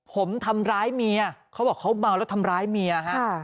ผมทำร้ายเมียเขาบอกเขาเมาแล้วทำร้ายเมียฮะ